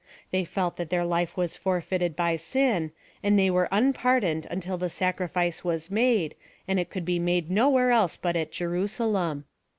They felt that their life was forfeited by sin, and they were un pardoned until the sacrifice was made, and it could be made no where else but at Jerusalem.